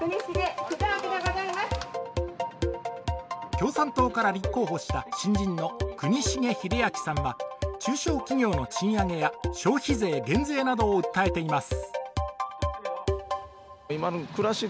共産党から立候補した新人の国重秀明さんは、中小企業の賃上げは消費税減税などを訴えています。